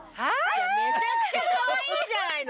めちゃくちゃかわいいじゃないの！